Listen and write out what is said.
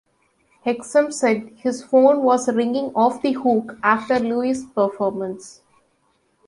Hexum said his phone was "ringing off the hook" after Lewis' performance.